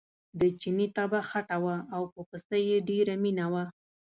د چیني طبعه خټه وه او په پسه یې ډېره مینه وه.